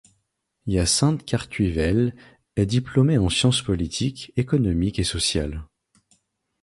Hyacinthe Cartuyvels est diplômé en sciences politiques, économiques et sociales.